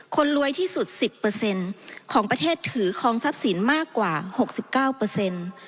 คนรวยที่สุดสิบเปอร์เซ็นต์ของประเทศถือคลองทรัพย์สินต์มากกว่าหกสิบเก้าเปอร์เซ็นต์